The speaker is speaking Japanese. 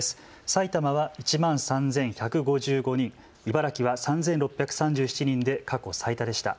埼玉は１万３１５５人、茨城は３６３７人で過去最多でした。